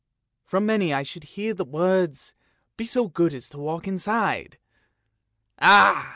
From many I should hear the words, ' Be so good as to walk inside.' Ah!